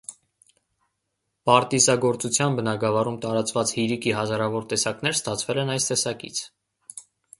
Պարտիզագործության բնագավառում տարածված հիրիկի հազարավոր տեսակներ ստացվել են այս տեսակից։